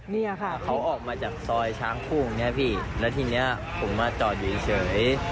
เนี่ยค่ะเขาออกมาจากซอยช้างพุ่งเนี่ยพี่แล้วทีเนี้ยผมมาจอดอยู่เฉย